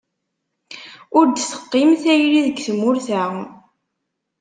Ur d-teqqim tayri deg tmurt-a.